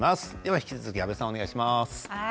引き続き安部さん、お願いします。